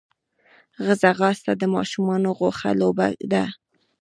ځغاسته د ماشومانو خوښه لوبه ده